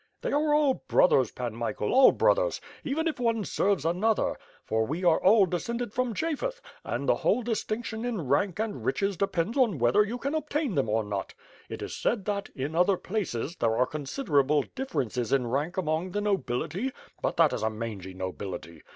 They are all brothers Pan Michael, all brothers, even if one serves another, for we all descended from Japhet; and the whole distinction in rank and riches depends on whether you can obtain them or not. It is said that, in other places, there are considerable differences in rank among the nobility; but that is a mangy nobility.